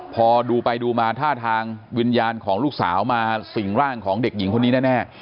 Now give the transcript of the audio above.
พอดูไปดูมาท่าทางวิญญาณของลูกสาวมาสิ่งร่างของเด็กหญิงคนนี้แน่